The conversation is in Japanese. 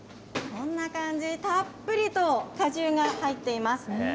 こんな感じ、たっぷりと果汁が入っています。